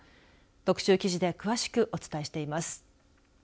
特集記事で詳しくお伝えしています。